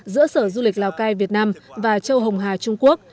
giữa sở du lịch lào cai việt nam và châu hồng hà trung quốc